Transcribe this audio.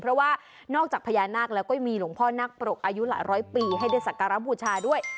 เพราะว่านอกจากพญานาคแล้วก็ยังมีหลวงพ่อนักปรกอายุหลายร้อยปีให้ได้สักการะบูชาด้วย